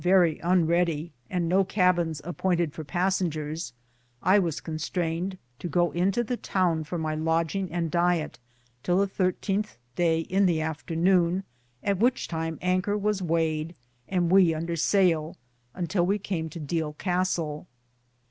5 unreddie, and no cabbins appoynted for passingeres, I was constrainede to go into the towne for my Lodginge and Diette, till the thirtenthe Daye in the After nowne, at which time anker was wayed and we under sayle, untill we came to Deale Castell.